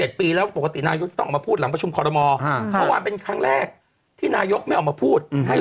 ติดต่อกับนายศาสตร์ดิไมดิ